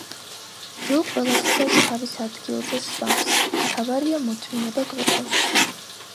დრო ყველასფერს თავის ადგილზე სვამს, მთავარია მოთმინება გვეყოს